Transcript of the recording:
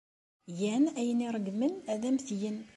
Gan ayen ay ṛeggmen ad am-t-gen.